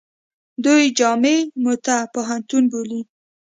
دوی جامعه موته پوهنتون بولي.